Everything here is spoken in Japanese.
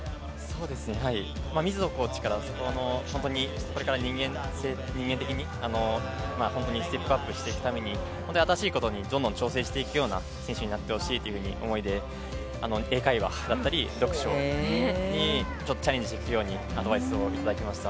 コーチからは、人間的に本当にステップアップしていくために新しいことにどんどん挑戦していくような選手になってほしいという思いで英会話だったり読書にチャレンジするようにとアドバイスをいただきました。